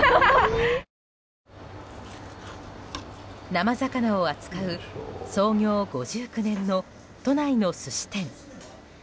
生魚を扱う創業５９年の都内の寿司店。